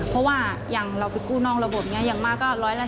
เพราะว่าเราไปกู้นอกระบบอย่างมากก็